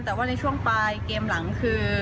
แต่ว่าในช่วงปลายเกมหลังคือ